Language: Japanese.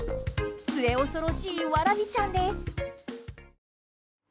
末恐ろしいわらびちゃんです。